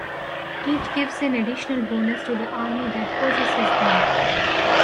Each gives an additional bonus to the army that possesses them.